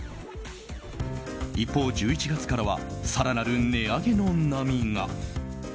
一方、１１月からは更なる値上げの波が。